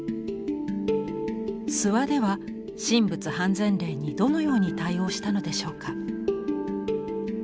諏訪では神仏判然令にどのように対応したのでしょうか。